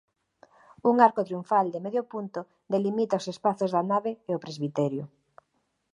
Un arco triunfal de medio punto delimita os espazos da nave e o presbiterio.